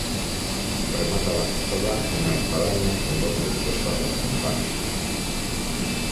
Remata la fachada una espadaña con dos nichos para las campanas.